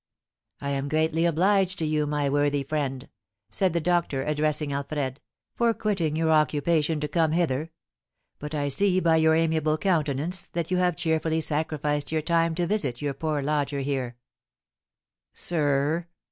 "I am greatly obliged to you, my worthy friend," said the doctor, addressing Alfred, "for quitting your occupation to come hither; but I see by your amiable countenance that you have cheerfully sacrificed your time to visit your poor lodger here." "Sir r!"